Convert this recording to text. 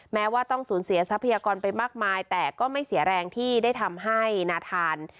แม้ว่าต้องสูญเสียทรัพยากรไปมากมายแต่ก็ไม่เสียแรงที่ได้ทำให้นาธาน